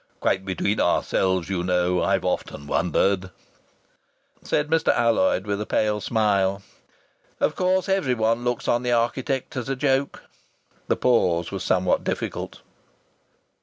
Quite between ourselves, you know! I've often wondered." Said Mr. Alloyd, with a pale smile: "Of course everyone looks on the architect as a joke!" The pause was somewhat difficult.